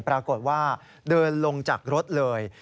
ปรากฏว่าเดินลงจากรถเลย